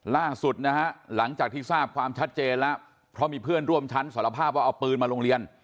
ล่าสุดนะฮะหลังจากที่ทราบความชัดเจนแล้วเพราะมีเพื่อนร่วมชั้นสารภาพว่าเอาปืนมาโรงเรียน